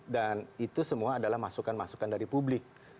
dan itu semua adalah masukan masukan dari publik